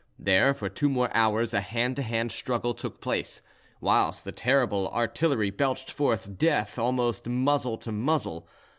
There, for two more hours, a hand to hand struggle took place, whilst the terrible artillery belched forth death almost muzzle to muzzle.